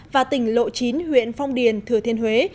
và tỉnh lộ chín huyện phong điền thừa thiên huế